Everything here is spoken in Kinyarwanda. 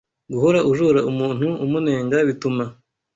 Guhora ujora umuntu umunenga bituma